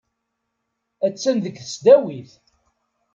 Attan deg tesdawit.